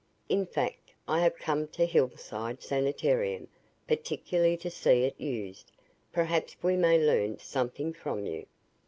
In fact I have come to the Hillside Sanitarium particularly to see it used. Perhaps we may learn something from you."